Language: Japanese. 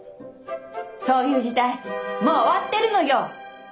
そういう時代もう終わってるのよ！